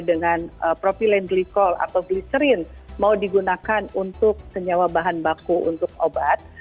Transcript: dengan propylene glycol atau glicerin mau digunakan untuk senyawa bahan baku untuk obat